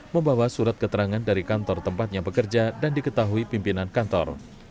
membawa surat keterangan dari kantor tempatnya bekerja dan diketahui pimpinan kantor